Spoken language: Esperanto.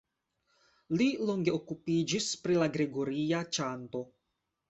Li longe okupiĝis pri la gregoria ĉanto.